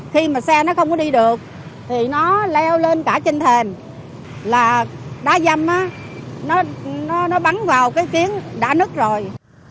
khi mà xe nó không có đi được thì nó leo lên cả trên thềm là đá dâm nó bắn vào cái kiến đã nứt rồi